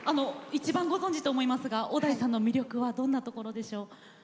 一番ご存じと思いますが小田井さんの魅力はどんなところでしょう？